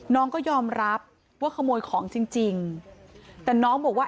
น้องก็ยอมรับว่าขโมยของจริงจริงแต่น้องบอกว่า